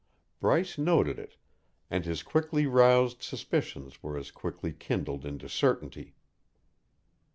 Bryce noted it, and his quickly roused suspicions were as quickly kindled into certainty.